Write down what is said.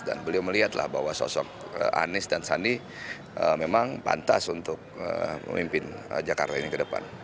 dan beliau melihatlah bahwa sosok anies dan sandi memang pantas untuk memimpin jakarta ini ke depan